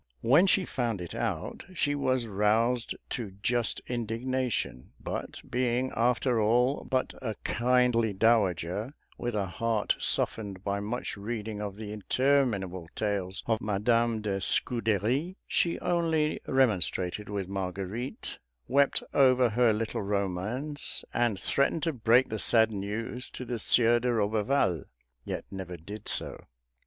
When she found it out, she was roused to just indignation; but being, after all, but a kindly dowager, with a heart softened by much reading of the interminable tales of Madame de Scudéry, she only remonstrated with Marguerite, wept over her little romance, and threatened to break the sad news to the Sieur de Roberval, yet never did so.